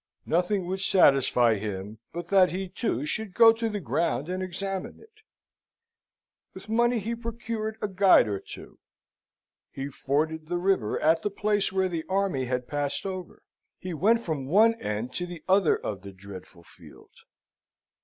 Nothing would satisfy him but that he, too, should go to the ground and examine it. With money he procured a guide or two. He forded the river at the place where the army had passed over: he went from one end to the other of the dreadful field.